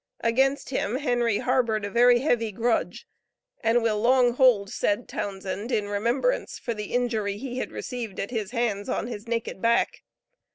Against him Henry harbored a very heavy grudge, and will long hold said Townsend in remembrance for the injury he had received at his hands on his naked back.